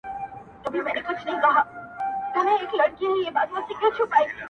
چي ستا د حسن پلوشې چي د زړه سر ووهي_